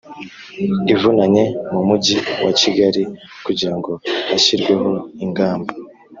ivunanye mu Mujyi wa Kigali kugira ngo hashyirweho ingamba